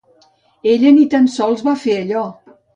Ella ni tan sols va fer allò!